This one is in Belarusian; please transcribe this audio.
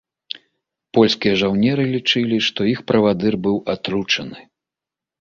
Польскія жаўнеры лічылі, што іх правадыр быў атручаны.